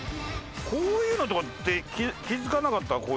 こういうのとかって気付かなかった？